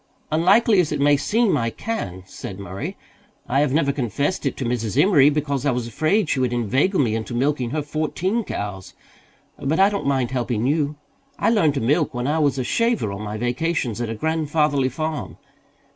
"Unlikely as it may seem, I can," said Murray. "I have never confessed it to Mrs. Emory, because I was afraid she would inveigle me into milking her fourteen cows. But I don't mind helping you. I learned to milk when I was a shaver on my vacations at a grandfatherly farm.